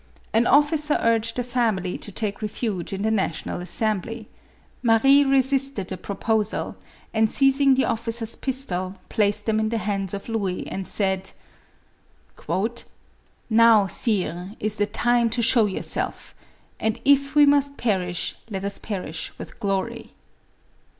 An officer urged the family to take refuge in the National Assembly ; Marie resisted the proposal, and seizing the officer's pistols, placed them in the hands of Louis, and said, " Now, sire, is the time to show yourself, and if we must perish, let us perish with glory."